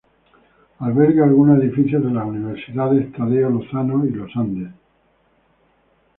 Alberga algunos edificios de las universidades Tadeo Lozano y Los Andes.